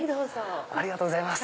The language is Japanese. ありがとうございます。